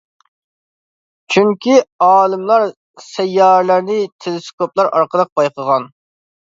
چۈنكى ئالىملار سەييارىلەرنى تېلېسكوپلار ئارقىلىق بايقىغان.